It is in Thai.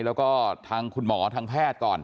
แล้วก็ทางคุณหมอทางแพทย์ก่อน